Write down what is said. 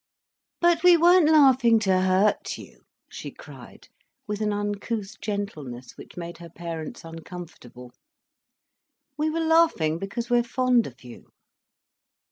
"But we weren't laughing to hurt you," she cried, with an uncouth gentleness which made her parents uncomfortable. "We were laughing because we're fond of you."